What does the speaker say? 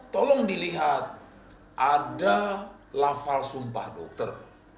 tolong dilihat ada lafal sumpah dokter